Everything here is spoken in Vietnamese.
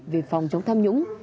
về phòng chống tham nhũng